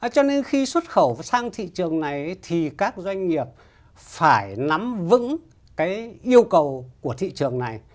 cho nên khi xuất khẩu sang thị trường này thì các doanh nghiệp phải nắm vững cái yêu cầu của thị trường này